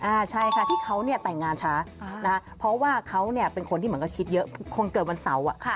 ใช่ค่ะที่เขาเนี่ยแต่งงานช้านะคะเพราะว่าเขาเนี่ยเป็นคนที่เหมือนกับคิดเยอะคนเกิดวันเสาร์